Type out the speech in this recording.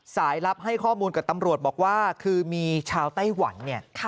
ลับให้ข้อมูลกับตำรวจบอกว่าคือมีชาวไต้หวันเนี่ย